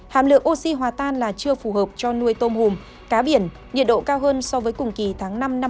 hàm lượng oxy hòa tan là chưa phù hợp cho nuôi tôm hùm cá biển nhiệt độ cao hơn so với cùng kỳ tháng năm năm hai nghìn hai mươi ba